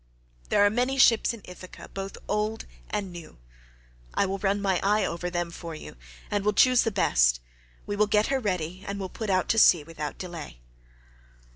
There are many ships in Ithaca both old and new; I will run my eye over them for you and will choose the best; we will get her ready and will put out to sea without delay."